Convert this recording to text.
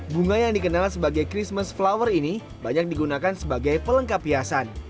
bunga yang dikenal sebagai christmas flower ini banyak digunakan sebagai pelengkap hiasan